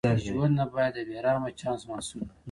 ژوند نه باید د بې رحمه چانس محصول وي.